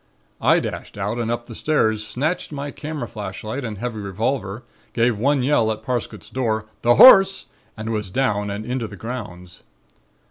I dashed out and up the stairs, snatched my camera flashlight and a heavy revolver, gave one yell at Parsket's door: 'The Horse!' and was down and into the grounds.